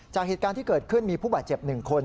จากเหตุการณ์ที่เกิดขึ้นมีผู้บาดเจ็บ๑คน